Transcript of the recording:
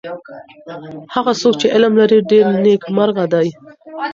هغه څوک چی علم لري ډېر نیکمرغه دی.